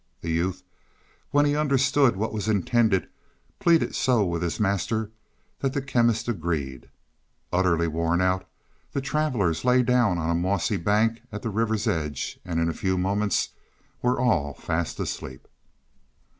The youth, when he understood what was intended, pleaded so with his master that the Chemist agreed. Utterly worn out, the travelers lay down on a mossy bank at the river's edge, and in a few moments were all fast asleep.